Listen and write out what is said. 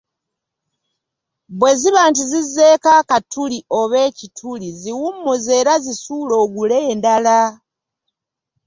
Bwe kiba nti zizzeeko akatuli oba ekituli ziwummuze era zisuule ogule endala.